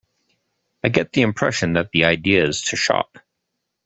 I get the impression that the idea is to shock.